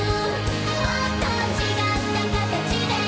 「もっと違ったかたちで」